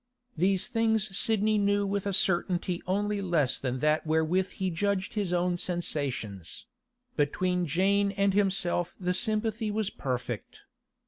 These things Sidney knew with a certainty only less than that wherewith he judged his own sensations; between Jane and himself the sympathy was perfect.